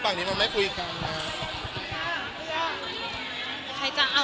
อันนี้มันไม่คุยกันนะ